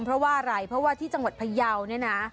เพราะว่าที่จังหวัดพยาวเนี่ยนะ